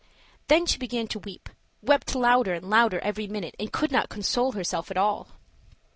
Then she began to weep, wept louder and louder every minute, and could not console herself at all.